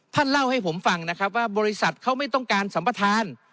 เล่าให้ผมฟังนะครับว่าบริษัทเขาไม่ต้องการสัมปทาน